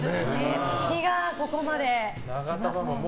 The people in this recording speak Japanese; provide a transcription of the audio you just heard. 熱気がここまで来ますもんね。